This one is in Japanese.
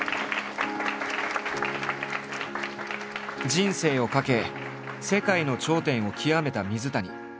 人生を懸け世界の頂点を極めた水谷。